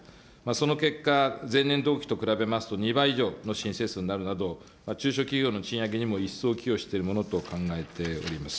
その結果、前年同期と比べますと２倍以上の申請数になるなど、中小企業の賃上げにも一層寄与しているものと考えております。